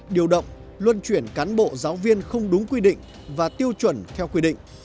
điều động luân chuyển cán bộ giáo viên không đúng quy định và tiêu chuẩn theo quy định